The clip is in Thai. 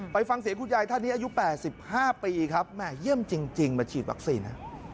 ไปฟังเสียงคุณยายท่านนี้อายุ๘๕ปีครับแม่เยี่ยมจริงมาฉีดวัคซีนนะ